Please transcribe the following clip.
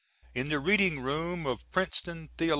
In the Reading Room of Princeton Theo.